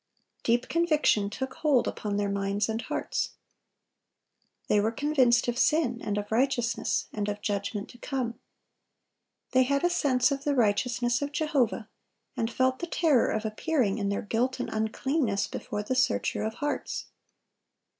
Deep conviction took hold upon their minds and hearts. They were convinced of sin, and of righteousness, and of judgment to come. They had a sense of the righteousness of Jehovah, and felt the terror of appearing, in their guilt and uncleanness, before the Searcher of hearts.